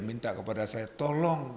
minta kepada saya tolong